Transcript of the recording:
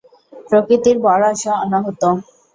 প্রকৃতির বর আসে অনাহূত।